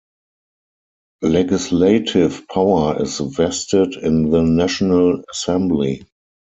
Legislative power is vested in the National Assembly.